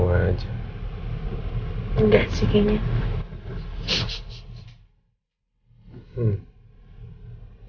enggak sih kayaknya